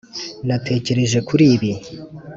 natekereje kuri ibi.